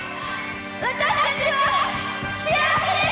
私たちは幸せでした。